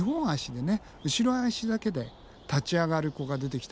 後ろ足だけで立ち上がる子が出てきたのね。